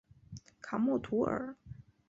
卡默图尔。